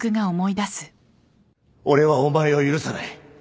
俺はお前を許さない